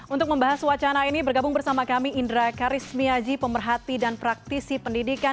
untuk membahas wacana ini bergabung bersama kami indra karismiaji pemerhati dan praktisi pendidikan